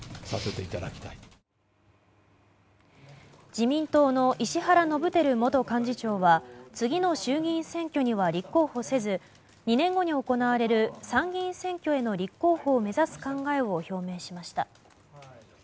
自民党の石原伸晃元幹事長は次の衆議院選挙には立候補せず２年後に行われる参議院選挙への立候補を目指す考えを表明しました。